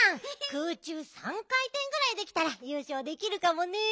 空中３かいてんぐらいできたらゆうしょうできるかもね。